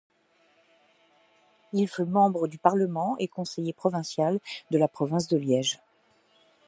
Il fut membre du parlement et conseiller provincial de la province de Liège.